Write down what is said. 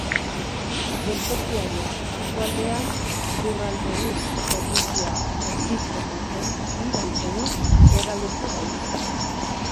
Geltokiaren kanpoaldean Lurraldebus zerbitzua hornitzen duten bi autobus geraleku daude.